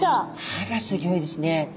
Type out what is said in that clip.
歯がすギョいですね。